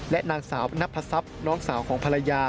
และนางสาวนับพศัพย์น้องสาวของภรรยา